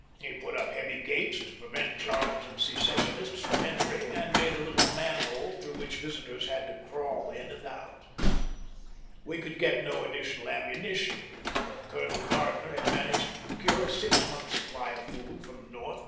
He put up heavy gates to prevent Charleston secessionists from entering, and made a little man hole through which visitors had to crawl in and out. We could get no additional ammunition, but Colonel Gardner had man aged to procure a six months' supply of food from the North before the trouble MAJOK ROBERT AXDERSOI..